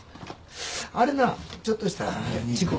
あれなちょっとした事故。